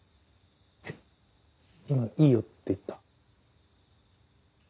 今「いいよ」って言った？